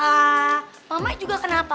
ah mamah juga kenapa